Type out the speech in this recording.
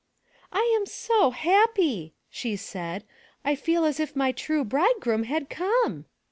*'I am so happy," she said, "I feel as if my true bridegroom had come."